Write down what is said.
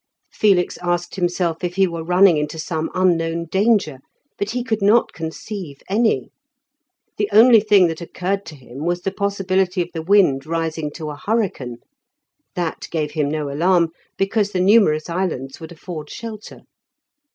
Felix asked himself if he were running into some unknown danger, but he could not conceive any. The only thing that occurred to him was the possibility of the wind rising to a hurricane; that gave him no alarm, because the numerous islands would afford shelter.